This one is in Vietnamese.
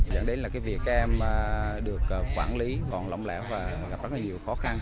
dẫn đến việc các em được quản lý còn lỏng lẽo và gặp rất nhiều khó khăn